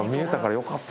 よかった